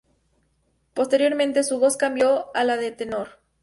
Posteriormente, su voz cambió a la de tenor.